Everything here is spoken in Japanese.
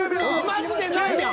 マジでないやん！